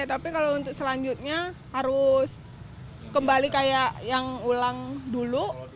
tapi kalau untuk selanjutnya harus kembali kayak yang ulang dulu